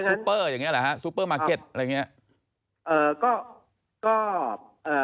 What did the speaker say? ปเปอร์อย่างเงี้เหรอฮะซูเปอร์มาร์เก็ตอะไรอย่างเงี้ยเอ่อก็ก็เอ่อ